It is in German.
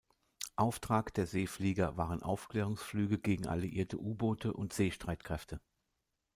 Auftrag der Seeflieger waren Aufklärungsflüge gegen alliierte U-Boote und Seestreitkräfte.